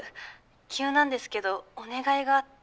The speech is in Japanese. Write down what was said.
急なんですけどお願いがあって。